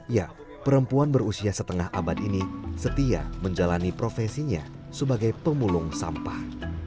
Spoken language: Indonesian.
ya perempuan berusia setengah abad ini setia menjalani profesinya sebagai pemulung sampah